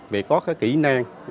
về có cái kỹ năng